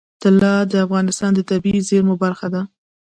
طلا د افغانستان د طبیعي زیرمو برخه ده.